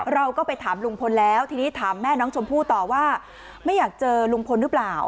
เราก็ไปถามลุงพลแล้วทีนี้ถามแม่น้องชมพู่ต่อว่าไม่อยากเจอลุงพลหรือเปล่า